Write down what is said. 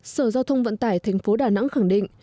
sở giao thông vận tải tp đà nẵng khẳng định